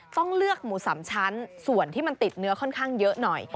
ต้องเลือกหมูสามชั้นส่วนที่มันติดเนื้อค่อนข้างเยอะหน่อย